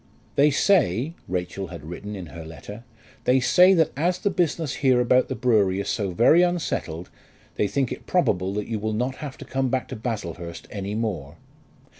"They say," Rachel had written in her letter, "they say that as the business here about the brewery is so very unsettled, they think it probable that you will not have to come back to Baslehurst any more."